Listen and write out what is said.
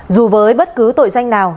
dù với bất cứ tội danh nào